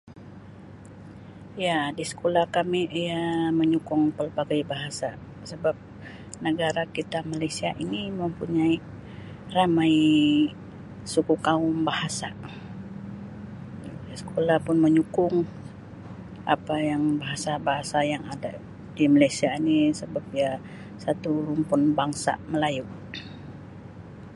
Ya di sekolah kami ia menyokong pelbagai bahasa sebab negara kita Malaysia ini mempunyai ramai suku kaum bahasa sekolah pun menyokong apa yang bahasa-bahasa yang ada di Malaysia ini sebab dia satu rumpun bangsa melayu.